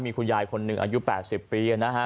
มีคุณยายคนหนึ่งอายุ๘๐ปีนะฮะ